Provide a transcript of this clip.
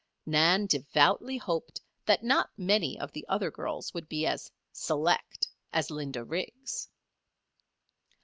Nan devoutly hoped that not many of the other girls would be as "select" as Linda Riggs.